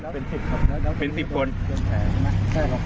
อำเภอโพธาราม